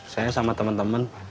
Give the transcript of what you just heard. saya sama temen temen